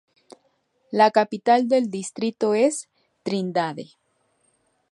La capital del distrito es Trindade.